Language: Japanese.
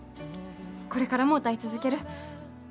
これからも歌い続ける。